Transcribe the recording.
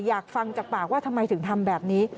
อยากฟังจากปากว่าทำไมถึงทำแบบนี้